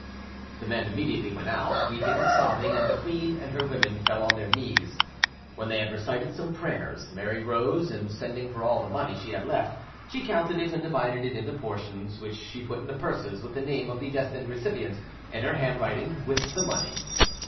The men immediately went out, weeping and sobbing, and the queen and her women fell on their knees. When they had recited some prayers, Mary rose, and sending for all the money she had left, she counted it and divided it into portions, which she put into purses with the name of the destined recipient, in her handwriting, with the money.